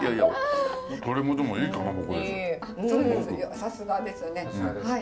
さすがですね。